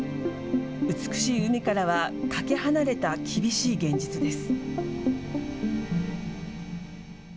美しい海からは、かけ離れた厳しい現実です。